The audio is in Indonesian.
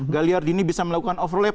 gagliardini bisa melakukan overlap